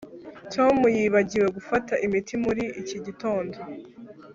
tom yibagiwe gufata imiti muri iki gitondo